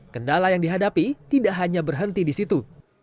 kendala yang dihadapi tidak hanya berhenti di situ